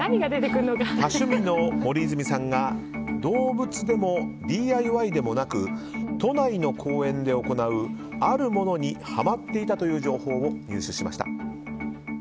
多趣味の森泉さんが、動物でもＤＩＹでもなく都内の公園で行うあるものにハマっていたという情報を入手しました。